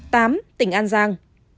tám tỉnh an giang